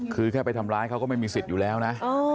คือแค่ไปทำร้ายเขาก็ไม่มีสิทธิ์อยู่แล้วนะ